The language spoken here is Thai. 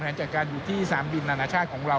เป็นอย่างไรนั้นติดตามจากรายงานของคุณอัญชาฬีฟรีมั่วครับ